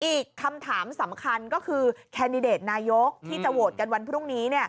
อีกคำถามสำคัญก็คือแคนดิเดตนายกที่จะโหวตกันวันพรุ่งนี้